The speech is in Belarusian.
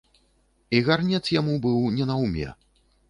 І гарнец яму быў не наўме.